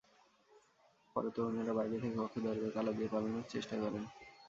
পরে তরুণেরা বাইরে থেকে কক্ষের দরজায় তালা দিয়ে পালানোর চেষ্টা করেন।